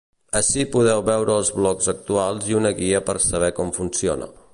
Ací podeu veure els blocs actuals i una guia per a saber com funciona.